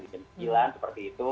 jadi jam sembilan seperti itu